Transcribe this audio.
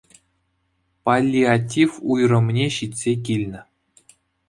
Паллиатив уйрӑмне ҫитсе килнӗ